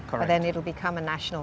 tapi nanti akan menjadi perubahan nasional